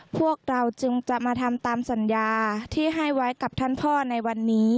พวกเราจึงจะมาทำตามสัญญาที่ให้ไว้กับท่านพ่อในวันนี้